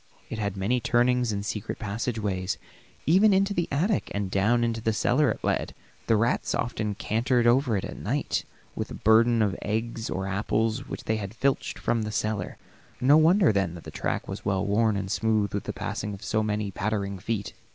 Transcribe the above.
It had many turnings and secret passageways; even into the attic and down into the cellar it led. The rats often cantered over it at night with burdens of eggs or apples which they filched from the cellar; no wonder then the track was well worn and smooth with the passing of so many pattering feet.